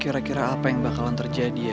kira kira apa yang bakalan terjadi ya